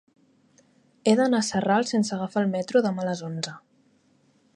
He d'anar a Sarral sense agafar el metro demà a les onze.